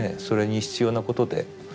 それに必要なことで。